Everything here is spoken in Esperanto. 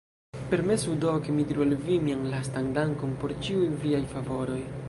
Permesu do, ke mi diru al vi mian lastan dankon por ĉiuj viaj favoroj!